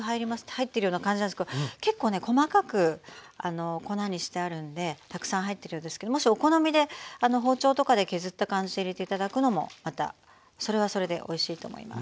入ってるような感じなんですけど結構ね細かく粉にしてあるんでたくさん入ってるようですけどもしお好みで包丁とかで削った感じで入れて頂くのもまたそれはそれでおいしいと思います。